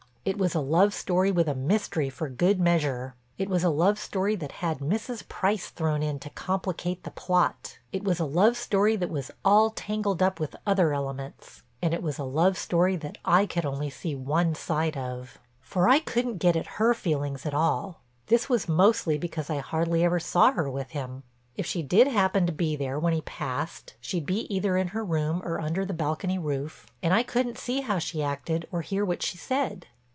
It was a love story with a mystery for good measure; it was a love story that had Mrs. Price thrown in to complicate the plot; it was a love story that was all tangled up with other elements; and it was a love story that I only could see one side of. For I couldn't get at her feelings at all. This was mostly because I hardly ever saw her with him. If she did happen to be there when he passed, she'd be either in her room or under the balcony roof and I couldn't see how she acted or hear what she said.